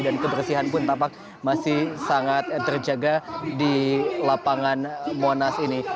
dan kebersihan pun tampak masih sangat terjaga di lapangan monas ini